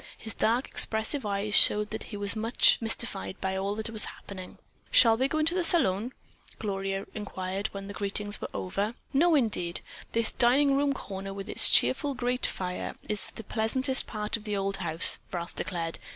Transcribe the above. His dark, expressive eyes showed that he was much mystified by all that was happening. "Shall we go into the salon?" Gloria inquired when greetings were over. "No indeed. This dining room corner with its cheerful grate fire is the pleasantest part of the old house," Ralph declared.